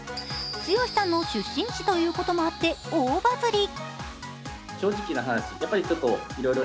剛さんの出身地ということもあって大バズり。